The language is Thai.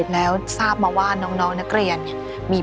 แล้วก็มีความร่วมสมัยเข้ามา